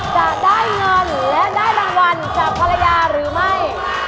จะได้เงินและได้รางวัลจากภรรยาหรือไม่